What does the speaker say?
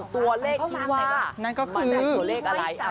ตัวเลขที่ว่านั่นก็คือนั่นมันเป็นตัวเลขอะไร